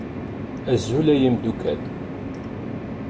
Azul ay imeddukkal